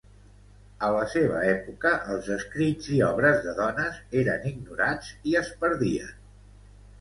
A la seva època els escrits i obres de dones eren ignorats i es perdien.